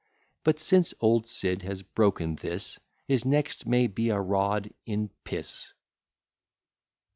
But since old Sid has broken this, His next may be a rod in piss.